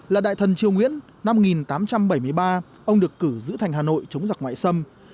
là đại thần triều nguyễn năm một nghìn tám trăm bảy mươi ba ông được cử giữ thành hà nội chống giặc ngoại xâm